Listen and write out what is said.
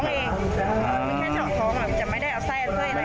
แค่จอท้องจะไม่ได้ไป